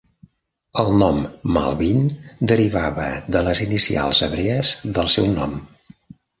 El nom "Malbin" derivava de les inicials hebrees del seu nom.